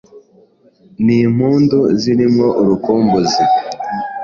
Nimpundu ziri mwo urukumbuzi,